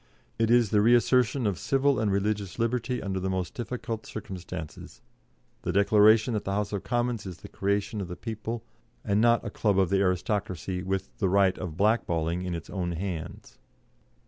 It is the reassertion of civil and religious liberty under the most difficult circumstances, the declaration that the House of Commons is the creation of the people, and not a club of the aristocracy with the right of blackballing in its own hands."